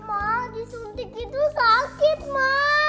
ma disuntik itu sakit ma